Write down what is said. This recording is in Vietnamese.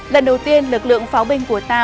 lần đầu tiên lực lượng pháo binh của ta